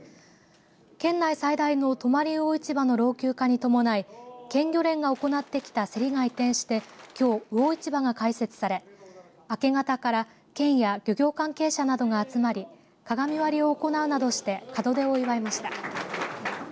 県内最大の泊魚市場の老朽化に伴い県漁連が行ってきた競りが移転してきょう魚市場が開設され明け方から県や漁業関係者などが集まり鏡割りを行うなどして門出を祝いました。